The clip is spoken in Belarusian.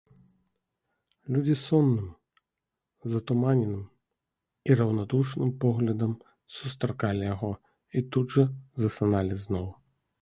Людзі сонным, затуманеным і раўнадушным поглядам сустракалі яго і тут жа засыналі зноў.